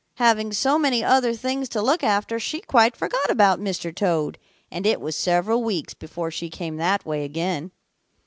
Having so many other things to look after, she quite forgot about Mr. Toad, and it was several weeks before she came that way again.